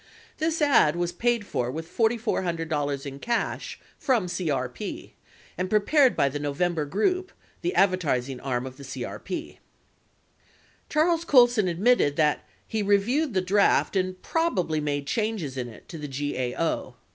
49 This ad was paid for with $4,400 in cash from CRP and pre pared by the November group, the advertising arm of CRP. Charles Colson admitted that he "reviewed the draft and probably made changes in it" to the GAO.